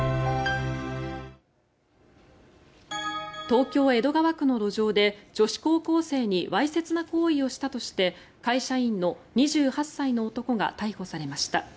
東京・江戸川区の路上で女子高校生にわいせつな行為をしたとして会社員の２８歳の男が逮捕されました。